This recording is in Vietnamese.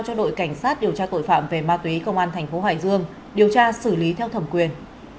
cho đội cảnh sát điều tra tội phạm về ma túy công an thành phố hải dương điều tra xử lý theo thẩm quyền